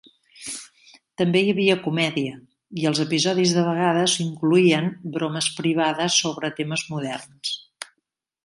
També hi havia comèdia i els episodis de vegades incloïen "bromes privades" sobre temes moderns.